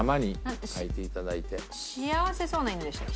幸せそうな犬でしたっけ？